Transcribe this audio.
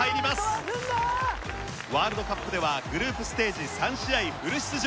ワールドカップではグループステージ３試合フル出場。